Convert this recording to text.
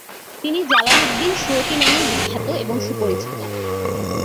তিনি Jalaluddin Suyuti নামেই বিখ্যাত এবং সুপরিচিত ।